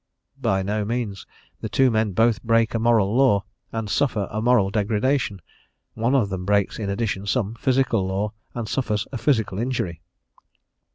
By no means: the two men both break a moral law, and suffer a moral degradation; one of them breaks in addition some physical law, and suffers a physical injury.